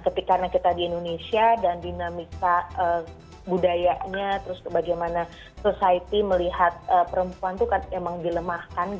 ketika kita di indonesia dan dinamika budayanya terus bagaimana society melihat perempuan itu kan emang dilemahkan